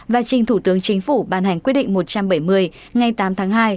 và trình thủ tướng chính phủ ban hành quyết định một trăm bảy mươi ngày tám tháng hai